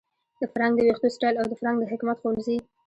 د فرانک د ویښتو سټایل او د فرانک د حکمت ښوونځي